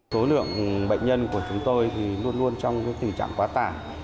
số lượng bệnh nhân của chúng tôi thì luôn luôn trong tình trạng quá tải